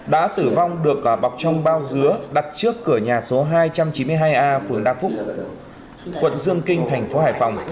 đã tử vong được bọc trong bao dứa đặt trước cửa nhà số hai trăm chín mươi hai a phường đa phúc quận dương kinh thành phố hải phòng